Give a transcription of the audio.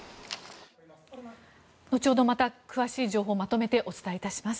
後ほど、また詳しい情報をまとめてお伝えいたします。